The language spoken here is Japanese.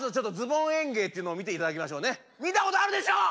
見たことあるでしょう！